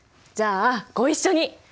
じゃあご一緒に。